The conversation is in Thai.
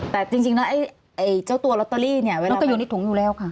แต่จริงนะเจ้าตัวลอตเตอรี่นี่เวลามันก็อยู่ในถุงอยู่แล้วค่ะ